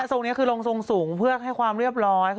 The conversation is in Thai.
ทรงนี้คือลงทรงสูงเพื่อให้ความเรียบร้อย